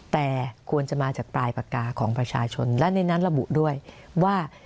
แต่ควรจะมาจากปลายปากกาของประชาชนและในนั้นระบุด้วยว่า